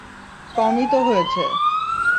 কমই তো হয়েছে।